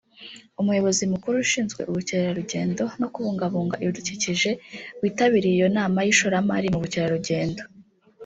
Umuyobozi Mukuru ushinzwe Ubukerarugendo no Kubungabunga Ibidukikije witabiriye iyo nama y’ishoramari mu bukerarugendo